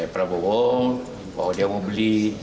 prabowo bahwa dia mau beli